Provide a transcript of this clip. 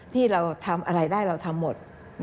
ที่อะไรได้เราทำหมด